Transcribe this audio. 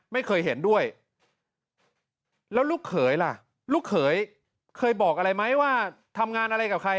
ไม่เคยเห็นด้วยแล้วลูกเขยล่ะลูกเขยเคยบอกอะไรไหมว่าทำงานอะไรกับใคร